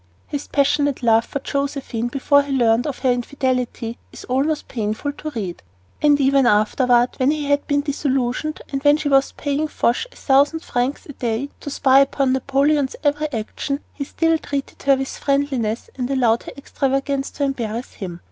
His passionate love for Josephine before he learned of her infidelity is almost painful to read of; and even afterward, when he had been disillusioned, and when she was paying Fouche a thousand francs a day to spy upon Napoleon's every action, he still treated her with friendliness and allowed her extravagance to embarrass him.